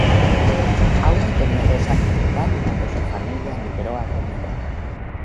Aún no tenía dos años de edad cuando su familia emigró a Rumanía.